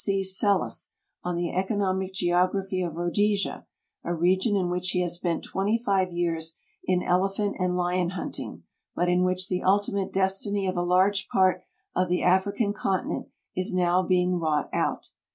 C. Selous on the Economic Geography of Rhodesia, a re gion in which he has spent twenty five years in elephant and lion hunting, but in which the ultimate destiny of a large part of the African continent is now being wrought out.